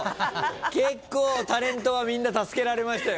結構タレントはみんな助けられましたよね。